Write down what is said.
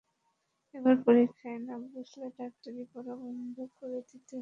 এবার পরীক্ষায় না বসলে ডাক্তারি পড়া বন্ধ করে দিতে হবে।